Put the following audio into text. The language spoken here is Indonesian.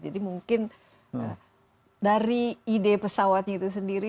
jadi mungkin dari ide pesawatnya itu sendiri